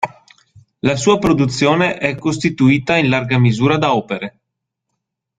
La sua produzione è costituita in larga misura da opere.